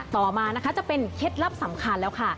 ต่อมานะคะจะเป็นเคล็ดลับสำคัญแล้วค่ะ